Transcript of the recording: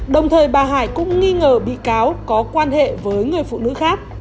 đồng thời bà hải cũng nghi ngờ bị cáo có quan hệ với người phụ nữ khác